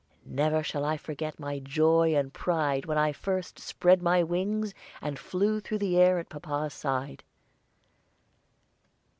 Never shall I forget my joy and pride when I first spread my wings and flew through the air at papa's side.